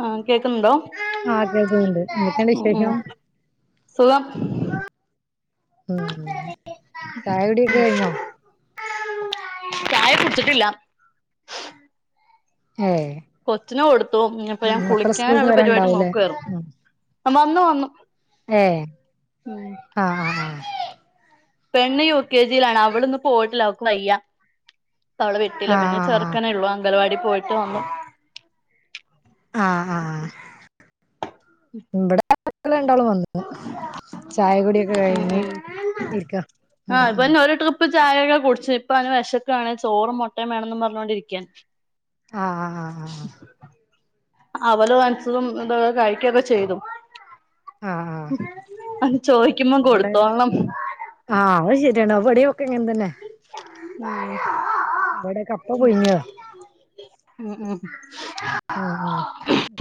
ആ കേക്കുന്നുണ്ടോ ആഹ് കേൾക്കുന്നുണ്ട് എന്തൊക്കെയുണ്ട് ഉമ് ഉമ് വിശേഷം സുഖം ഉം ചായ കുടിയൊക്കെ കഴിഞ്ഞോ ചായ കുടിച്ചിട്ടില്ല ഏഹ് കൊച്ചിനു കൊടുത്തു ഇനിപ്പൊ ഞാൻ മക്കള് സ്കൂളിന്ന് കുളിക്കാനുള്ള പരുപാടി വരാണ്ടാവൂലേ നോക്കാരുന്നു ഉം വന്നു വന്നു ഏഹ് ഉം ആഹ് ആഹ് പെണ്ണ് യു കെ ജിയിലാണ് അവളിന്ന് പോയിട്ടില്ല അവൾക്ക് വയ്യ അവളെ വിട്ടില്ല ആഹ് പിന്നെ ആഹ് ചെറുക്കനേ ഉള്ളൂ അംഗൻവാടി പോയിട്ട് വന്നു ആഹ് ആഹ് ഇവിടെ മക്കള് രണ്ടാളും വന്നു ചായ കുടിയൊക്കെ ഉം കഴിഞ്ഞ് ഉം ഇരിക്ക ഉം ഉം ഇപ്പം ചായകെ കുടിച്ച് ഇപ്പം അവന് വെശക്കാണ് ചോറും മൊട്ടം വേണംന്നും പർഞ്ഞോണ്ടിരിക്കാ ആഹ് ആഹ് ആഹ് അവല് നൻച്ചതും ഇതൊക്ക കഴിക്കൊക്കെ ചെയ്തു ആഹ് ആഹ് ആഹ് അത് ചോയ്ക്കുമ്പോ ഇവിടെ കൊട്ത്തോളണം. ആഹ് അത് ശരിയണ് ഇവട്യൊക്കെ ഇങ്ങൻ തന്നെ ഇവിടെ കപ്പ ഉം പുഴുങ്ങിയതാ ഉം ഉം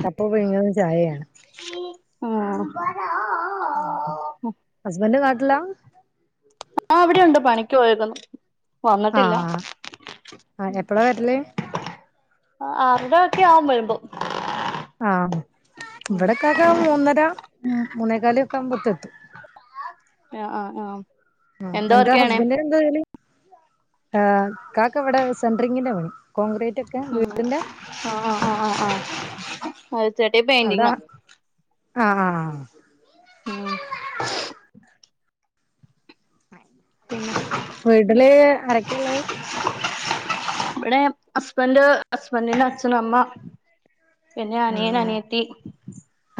കപ്പ പുഴുങ്ങിതും ചായേണ്. ആഹ് ഹസ്ബന്റ് നാട്ടില ഓഹ് അവിടെയൊണ്ട് പണിക്ക് പോയേക്കുന്നു വന്നിട്ടില്ല ആഹ് ആഹ് എപ്പളാ വരല് [unintelligible] ഒക്കെ ആവും വരുമ്പോ. ആഹ് ഉം ഇവിടെ ക്കാക്കാ മൂന്നര മുന്നേകാല് ഒക്കെ ആമ്പോത്തെ എത്തു ഏഹ് ആഹ് ആഹ് ആഹ് എന്താ ഹസ്ബൻ്റിനെന്താ പര്പാടി ആന് ഇക്കാക്കവടെ സെൻട്രങ്ങിന്റെ പണി കോൺക്രീറ്റൊക്കെ വീടിന്റെ ആഹ് ആഹ് ആഹ് ആഹ് ആഹ് അത് ചേട്ട അവിടെ പെയിന്ണ്ടിങ്ങ ആഹ് ആഹ് ഉം പിന്നെ വീട്ടില് ആരെക്കെള്ള ത് ഇവിടെ ഹസ്ബന്ഡ് ഹസ്ബന്റിന്റെ അച്ഛനും അമ്മ പിന്നെ അനിയൻ ആഹ് അനിയത്തി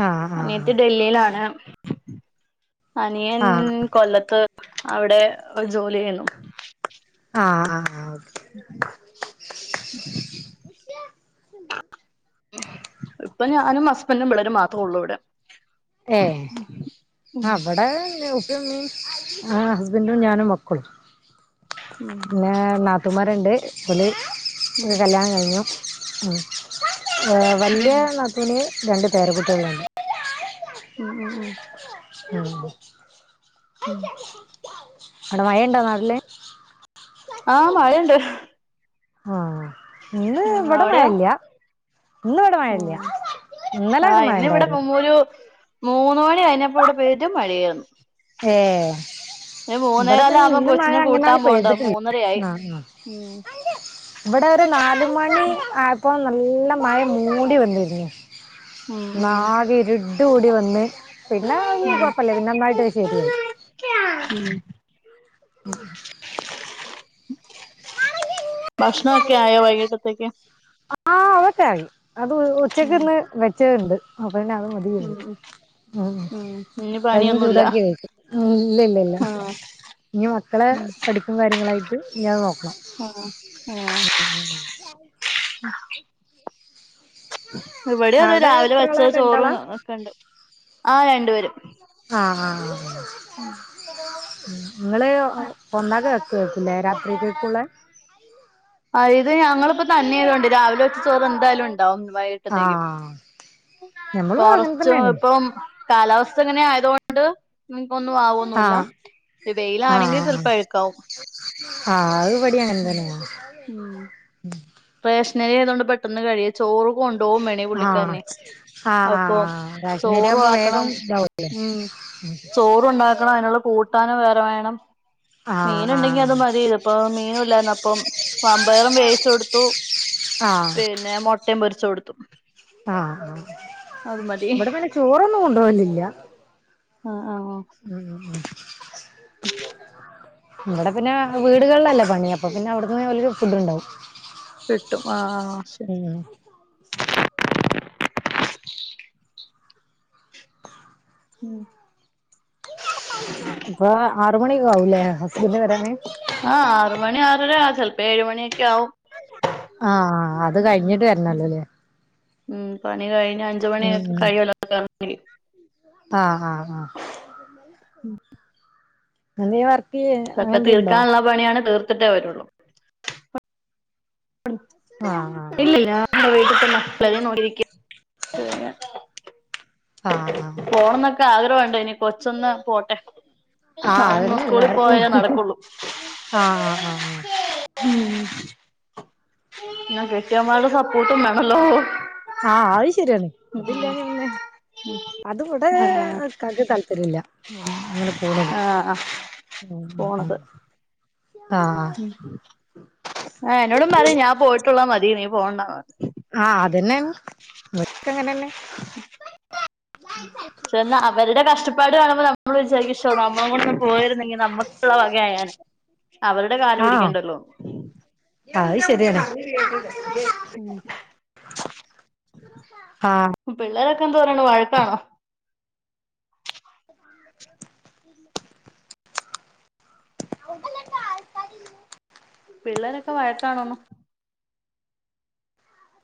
ആഹ് അനിയത്തി ഡൽ ഈലാണ് അനിയൻ ആഹ് കൊല്ലത്ത് അവടെ ജോലി ചെയ്യുന്നു. ആഹ് ആഹ്ആഹ് ഇപ്പം ഞാനും ഹസ്ബൻ്റും പിള്ളേരും മാത്രേ ഉള്ളൂ ഇവിടെ ഏഹ് ഉം ആഹ് ഇവടെ ഉപ്പിം ഇമ്മി ആഹ് ഹസ്ബൻഡും ഞാനും മക്കളും ഉം പിന്നെ നാത്തൂമാരിണ്ട് ഒലെ ഉം കല്യാണം കഴിഞ്ഞു ഏഹ് ഉം വല്ലിയ ഉം നാത്തൂന് രണ്ട് പേരക്കുട്ട്യാളിണ്ട് ഉം ഉം ഉം അടെ മഴണ്ടോ നാട്ട്ല്? ആഹ് മഴണ്ട് ആഹ് ഇന്ന് ഉം ഇവിടെ അവിടെയോ മഴല്ല ഇന്നലെയൊക്കെ ആഹ് മഴ ഇന്ന് ഇവിടെ ഉണ്ടായിരുന്നു മുമ്മുരു മൂന്ന് മണി കയ്ഞ്ഞപ്പോ ഇവടെ പെരും മഴേര്ന്നു. ഏഹ് മൂന്നേ ഇവടെ കാല് പിന്ന് ആകുമ്പം ഇന്നും മഴ കൊച്ചിനെ കൂട്ടാൻ അങ്ങനാണ് പോകണ്ട പെയ്തിട്ടില്ല മൂന്നരയായി ആഹ് ആഹ് ഉം ഇവടെ ഒരു നാല് മണി ആയ്പ്പോ നല്ല മഴ ഇങ്ങനെ മൂടി വന്നിരുന്നു ഉം ഉം ഉം നാകെ ഇരുഡു കൂടി വന്ന് പിന്നെ കൊയ്പ്പല്ല പിന്നെ നന്നായിട്ട് [unintelligible] [unintelligible] ഭക്ഷണൊക്കെ ആയോ വൈകിട്ടത്തേക്ക്? ആഹ് അതൊക്കെ ആയി അത് ഉച്ചക്ക് ഉം ഇന്ന് വെച്ചണ്ട് അപ്പ പിന്നെ [inaudible] ഉം ഇനി കഞ്ഞി പണിയൊന്നുല്ല ചൂടാക്കി കഴിച്ചു ഇല്ല ഇല്ല ഇല്ല ആഹ് ഇഞ്ഞ് മക്കളെ ഉം പഠിപ്പും കാര്യങ്ങളായിട്ട് ഇഞ്ഞത് നോക്കാ. ആഹ് ഉം ഇവിടെ അതെ അവിടെ രാവിലെ എത്ര ആളാ വച്ച ചോറും രണ്ടാളാ ഒക്കെ ഉണ്ട് ആഹ് രണ്ടുപേരും ആഹ് ഹാ ഹാ ഇങ്ങള് ഉണ്ടാക്കി വെകേകുല്ലേ രാത്രി കേക്കുള്ള അ ഇത് ഞങ്ങളി പ്പോ തന്നെയതോണ്ട് രാവിലെ വെച്ച ചോറ് എന്തായാലും ണ്ടാവും വൈ ത്തേക്കും ആഹ് ഞമ്മളും അങ്ങനെ കൊറച്ചും തന്നെയാണ് ഇപ്പം കാലാവസ്ഥ ഇങ്ങനെ ആയത് കൊണ്ട് ഞ്ഞ് പ്പൊന്നും ആവൊ മൂലം ആഹ് വെയിലാണെങ്കി ആഹ് ചൽപ്പം അഴുക്കാവും ആഹ് അത്വടിയ ഉം കന്തന ഉം റേഷ്നരി ആയത കൊണ്ട് പെട്ടെന്ന് കഴിയ ചോറ് കൊണ്ടുപോും വേ ടെ പുള്ളി ആഹ് ക്കാരന് ആഹ് അപ്പോ ആഹ് റേഷനരി ചോറും ആവുമ്പോ വേഗം ആക്കണ്ണം ഇതാവൂലേ മ് ചോ ണ്ടാക്കണ്ണം അയ്ന്ള്ള കൂട്ടാന്‌ വേറെ വേണം ആഹ് മീന്ണ്ടങ്കി അത് മതി ഇത് പ്പം മീനും ല്ലാറ്ഞപ്പം വമ്പേറും വേവിച്ച് കൊടുത്തു ആഹ് പിന്നെ മുട്ടയും പൊരിച്ച് കൊടുത്തു ആഹ് ആഹ് അത് മതി ഇവിടെ പിന്നെ ചോറൊന്നും കൊണ്ടുപോലില്ല ആഹ് ആഹ് ഉം ഉം ഉം ഉ ഇവിടെ പിന്നെ വീടുകളിലല്ലേ പണി അപ്പൊ പിന്നെ അവിടുന്ന് വലരു ഫുഡ് ഉണ്ടാവും കിട്ടും ആ ശ ഉം ഉം പ്പോ ആറ് മണിയെക്കെ ആവൂലേ ഹസ്ബന്റ് വരാന് ആഹ് ആറ് മണി ആറര ചെലപ്പ ഏഴ് മണിയൊക്കെ ആവും ആഹ് അത് കഴിഞ്ഞിട്ട് വരണല്ലോല്ലേ ഉം പണി കഴിഞ്ഞ് അഞ്ച് ഉം മണിക്ക് ഉം കഴിയല്ലേ [unintelligible] ആഹ് ആഹ് ആഹ് ഉം നവർത്ത ചെൽപ്പം തീർക്കാള്ള പണിയാണേ തീർത്തിട്ടേ വരുള്ളൂ ആഹ് ഇല്ലല്ല നമ്മടെ വീട്ട്ത്തെ മക്കളെ നോക്കിരിക്കും ആ ഹ് ആഹ് ആഗ്രഹംണ്ടോ ഇനി കൊച്ചൊന്ന് പോട്ടെ ആഹ് അഹ് അതന്നെ സ്കൂളിൽ എല്ലാർക്കും പോയാല നടക്കുള്ളൂ ആഹ് ആഹ് ഉം ന്നാ കെട്ടിയോന്മാരുടെ സപ്പോട്ടു മാണല്ലോ ആഹ് അഹ് ശരിയാണ് അതില്ലാനാ പിന്നെ അത് ഇവിടെ ആഹ് ഇക്കാക്ക് താല്പര്യമില്ല അങ്ങനെ പോണ ആഹ് ഉം ഉം ഉം പോണത് ആഹ് ആഹ് എന്നോടും പറയും ഞാൻ പോയിട്ടുള്ളാ മതി നീ പോണ്ട ആഹ് അതന്നെയങ്ങനെ വെക്കങ്ങനന്നെ ഉം എന്നാ അവരുടെ കഷ്ടപ്പാട് കാണുമ്പോൾ നമ്മൾ വിചാരിക്ക നമ്മള കൊപോയിരുന്നെങ്കിൽ നമുക്കുള്ള വകയായാന് അവരുടെ കാല പിടിക്കേണ്ടല്ലോ ആഹ് ശരിയാണ് ആഹ് ഉം പിള്ളേരൊക്കെ എന്ത് പറയ്ണ് വഴക്കാണോ ഉ പിള്ളേരൊക്കെ വഴക്കാണോന്നോ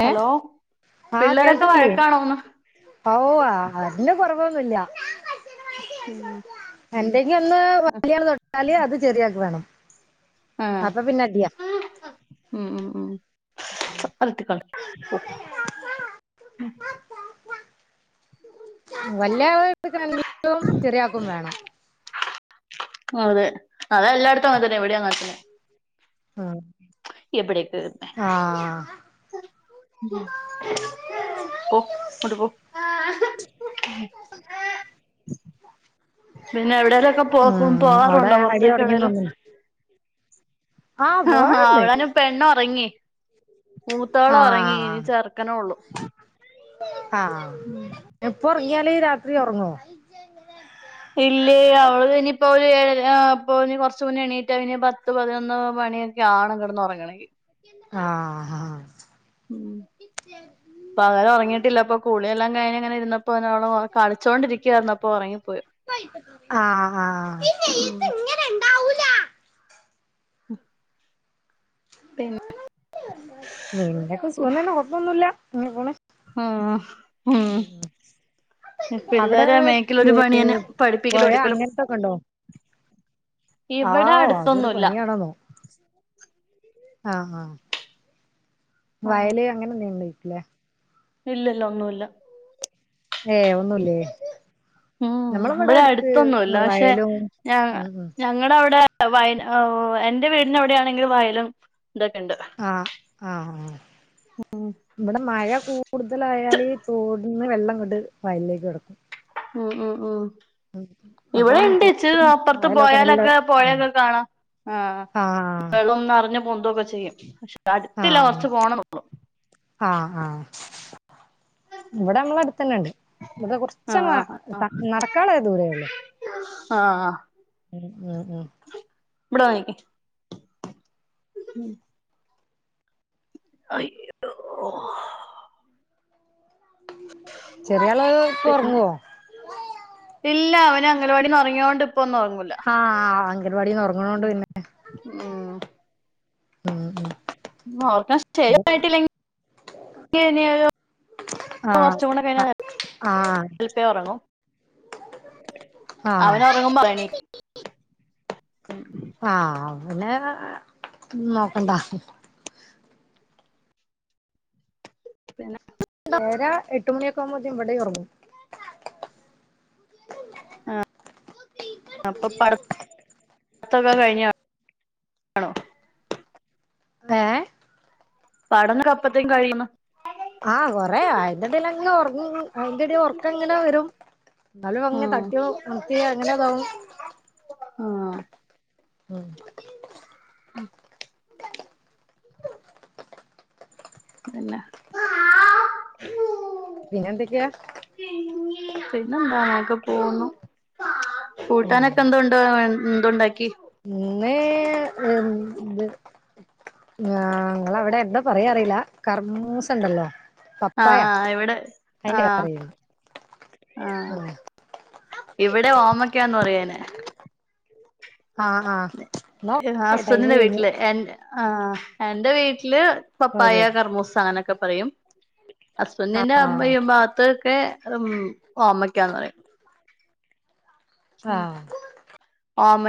ഹലോ പിള്ളേരൊക്കെ വഴക്കാണോന്ന് അഹൂ വാ അതിന് കൊറവൊന്നു ല്ല ഉം എന്തെങ്കി ഒന്ന് വലിയ ള് തൊട്ടാല് അത് ചെറിയാക്ക് വേണം ആഹ് അപ്പൊ പിന്നെ അടിയാ ഉം ഉം ഉം അത്ട്‌ത്ത് ക്കളി പും വല്ല്യാള്ട്ത്ത്ക്ക്ണ എല്ലാം ചെറിയാക്കും വേണം അതെ അതെല്ലായിടത്തും അങ്ങനത്തന്നെ ഇവിടെ അങ്ങനതന്നെ ആഹ് ഇവിടിട്ടിരുന്നേ പൊ അങ്ങട്ട് പോ പിന്നെ എവിടെലെക്കെ പോ ഉം അവിടെ പോവാറുണ്ടോ അടി തുടങ്ങിയെന്ന് പൊറത്തേക്കെവിടേലും തോന്നുന്നു ആ ആഹാ പോവാറുണ്ട് അവളന് പെണ്ണൊറങ്ങി മൂത്തോളും ആ ഒറങ്ങി ഇനി ചെർക്കനൊള്ളു ആഹ് ഇപ്പൊ ഒർങ്ങിയാല് രാത്രി ഒറങ്ങോ ഇല്ലേ അവള് ഇനിയിപ്പോ ഒരു ഏഴര പ്പൊ ഒര് കൊറച്ച് മുന്നെ എണീറ്റാ പിന്നെ പത്ത് പതിനൊന്ന് മണിയെ ക്കെ ആകണം കെടന്നൊറങ്ങണങ്കി ആഹ് ഹഹാ പകല് ഒറങ്ങിയിട്ടില്ല ഇപ്പൊ കുളിയെല്ലാം കഴിഞ്ഞങ്ങനെ ഇരുന്ന് ഇപ്പരാളോ കളിച്ചോണ്ടിരിക്കുവായിരുന്നു അപ്പോ ഒറങ്ങിപ്പോയി ആഹ് ആഹ് ഉം ഹ പിന്നെ പിന്നെ സുഖം തന്നെ കൊഴപ്പൊന്നുല്ല അങ്ങനെ പോണ് ആഹ് ഉം അവിടെ പിള്ളേരെ മേക്കലൊരു പണിയന്നെ പഠിപ്പിക്കലും പൊയ എടുക്കലും അങ്ങനത്തൊക്കെ ഇണ്ടോ ഇവിടെ ആഹ് അതൊരു അടുത്തൊന്നുല്ല പനിയാണെന്നോ ആഹ് ആഹ് വയല് അങ്ങനെ എന്തെങ്കിലുംഇല്ലേ ഇല്ലല്ലോ ഒന്നുല്ല ഏ ഒന്നുല്ലേ ഉം നമ്മളവിടെ ഇവിടെ അടുത്ത് അടുത്തൊന്നുല്ല വയലും ഉം ഉം നിങ്ങളവിടെ വയല എന്റെ വീടിനവിടെയാണെങ്കില് വയലും ഇതൊക്കെണ്ട് ആഹ് ആഹ് ഇവിടെ മഴ കൂടുതലായല് തോട് ഇന്ന് വെള്ളങ്ങട്ട് വയലിലേക്ക് കെടക്കും ഉം ഉം ഉം ഇവിടെ അപ്പം ഇണ്ട് ഇച്ചിരി അപ്പർത്ത് അയലൊക്കെ നല്ല പൊയോലൊക്കെ പൊയൊക്കെ കാണാം ആഹ് ആഹ് വെള്ളം നറഞ്ഞ് പൊന്തൊക്കെ ചെയ്യും അടുത്തില്ല ആഹ് കൊറച്ച് പോണം ആഹ് ആഹ് ഇവിടെ നമ്മളെ അടുത്തന്നെണ്ട് ഇവിടെ കൊറച്ച് ആഹ് നടക്കാള്ളെ ദൂരോള്ളു ആഹ് ആഹ് ഉം ഉം ഉം ഇവിടെ നിക്ക് [unintelligible] ചെറിയ ആള് പ്പോ ഒറങ്ങോ ഇല്ല അവന് അംഗൻവാടിന്ന് ഒറങ്ങിയോണ്ട് ഇപ്പൊന്നും ഒറങ്ങൂല ആഹ് ആഹ് അംഗൻവാടിന്ന് ഒറ ഉം ഉം ഉം ഓർക്കാൻ [unintelligible] ആഹ് കൊറച്ചു കൂടെ കഴിഞ്ഞാ ആഹ് എൽപ്പേ ഒറങ്ങു ആഹ് അവന് ഒറങ്ങും പനി ആഹ് അവനെ നോക്കണ്ടാ പിന്ന ഏഴര എട്ടുമണിയൊക്കാകുമ്പതേന് ഇവിടെയും ഒറങ്ങും അപ്പൊ പട് ത്തൊക്കെ കഴിഞ്ഞ ഏഹ് പടനെക്ക അപ്പത്തേക്കു കഴിയണം ആ കൊറേ ഐൻ്റെടേൽ അങ്ങനെ ഉറങ്ങും അയിന്റെടൽ ഉറക്കങ്ങനെ വരും ഹലോ അങ്ങനെ ഉം തട്ടിയോ മുട്ടിയോ അങ്ങനെയതാവും ആഹ് ഉം ഉം അല്ല [unintelligible] പിന്നെന്തൊക്കെയാ പിന്നെന്താ ഞക്കെ പോന്നു കൂട്ടാനൊക്കെ എന്തണ്ട് [unintelligible] എന്തുണ്ടാക്കി ഇന്ന് [unintelligible] നിങ്ങ അവിടെ എന്താ പറയാ അറില്ല കർമൂസണ്ടല്ലോ ആഹ് ആഹ് എവിടെ ആഹ് കറിയുണ്ട് ആഹ് ഉം ഇവിടെ ഓമയ്ക്കാന്ന് പറയുനെ ആഹ് ആഹ് എന്നാ ടൈം ആസുനിന്റെ കഴിഞ്ഞു. വീട്ടില് എ ആ എന്റെ വീട്ടില് ഓ പപ്പായ കർമ്മൂസാങ്ങനൊക്കെ പറയും ഹസ്ബൻഡന്റെ അമ്മ ആഹ് ഭാഗത്തൊക്കെ ഓമയ്ക്കാന്ന് പറയും ഉ ആഹ് ഓമ